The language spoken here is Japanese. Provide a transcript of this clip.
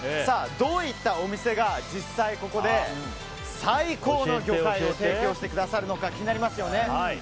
どういったお店が実際ここで、最高の魚介を提供してくださるのか気になりますよね。